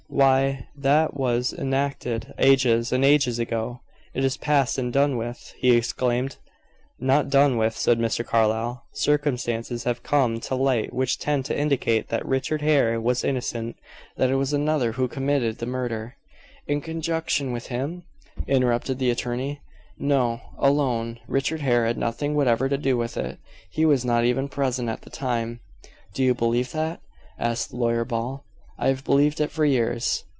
"Why, that was enacted ages and ages ago; it is past and done with," he exclaimed. "Not done with," said Mr. Carlyle. "Circumstances have come to light which tend to indicate that Richard Hare was innocent that it was another who committed the murder." "In conjunction with him?" interrupted the attorney. "No: alone. Richard Hare had nothing whatever to do with it. He was not even present at the time." "Do you believe that?" asked Lawyer Ball. "I have believed it for years."